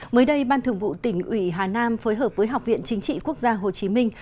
mới đây ban thường vụ tỉnh ủy hà nam phối hợp với học viện chính trị quốc gia hồ chí minh